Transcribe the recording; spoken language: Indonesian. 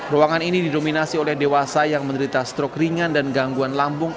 ruangan ini didominasi oleh dewasa yang menderita strok ringan dan gangguan lambung